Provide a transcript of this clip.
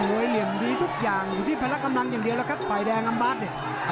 มวยเหลี่ยมดีทุกอย่างอยู่ที่พลักกำลังอย่างเดียวกับใบแดงอัมบาทเห้ย